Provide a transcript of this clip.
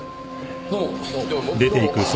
どうも。